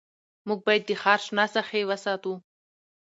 موږ باید د ښار شنه ساحې وساتو